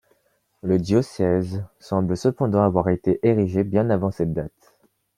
Le diocèse semble cependant avoir été érigé bien avant cette date.